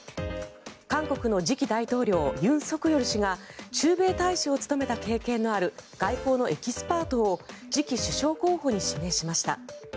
韓国の次期大統領、尹錫悦氏が駐米大使を務めた経験のある外交のエキスパートを次期首相候補に指名しました。